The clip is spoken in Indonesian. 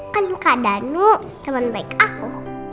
kan luka danu teman baik aku